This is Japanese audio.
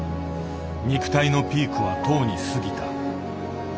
肉体のピークはとうに過ぎた。